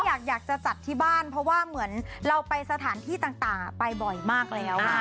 อยากจะจัดที่บ้านเพราะว่าเหมือนเราไปสถานที่ต่างไปบ่อยมากแล้ว